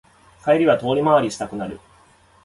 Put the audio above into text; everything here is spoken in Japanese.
帰り道は遠回りしたくなる